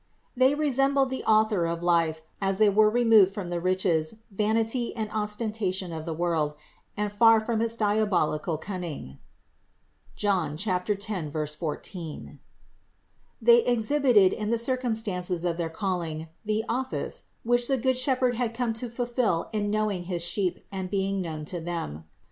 They resembled the Author of life, as they were removed from the riches, vanity and ostentation of the world and far from its dia bolical cunning (John 10, 14). They exhibited in the circumstances of their calling the office, which the good Shepherd had come to fulfill in knowing his Sheep and being known to them.